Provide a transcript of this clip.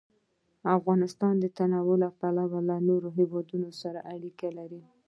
افغانستان د تنوع له پلوه له نورو هېوادونو سره اړیکې لري.